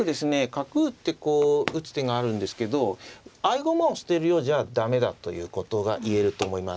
角打ってこう打つ手があるんですけど合駒をしてるようじゃ駄目だということが言えると思います。